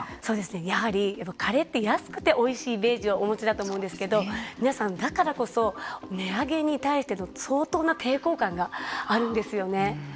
やはりカレーって安くておいしいイメージをお持ちだと思うんですけど皆さん、だからこそ値上げに対しての相当な抵抗感があるんですよね。